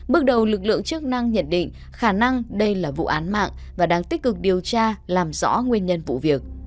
bước đầu lực lượng chức năng nhận định khả năng đây là vụ án mạng và đang tích cực điều tra làm rõ nguyên nhân vụ việc